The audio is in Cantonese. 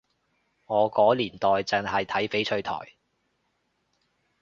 我個年代淨係睇翡翠台